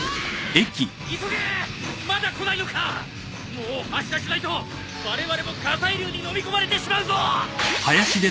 もう発車しないとわれわれも火砕流にのみ込まれてしまうぞ。